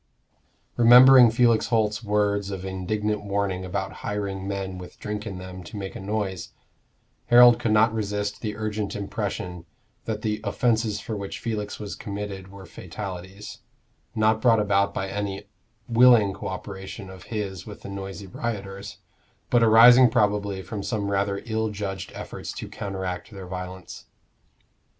Remembering Felix Holt's words of indignant warning about hiring men with drink in them to make a noise, Harold could not resist the urgent impression that the offences for which Felix was committed were fatalities, not brought about by any willing co operation of his with the noisy rioters, but arising probably from some rather ill judged efforts to counteract their violence.